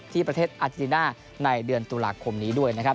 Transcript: ที่ประเทศอาเจติน่าในเดือนตุลาคมนี้ด้วยนะครับ